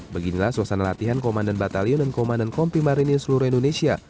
pusat latihan komando batalion dan komandan kompi marinir se indonesia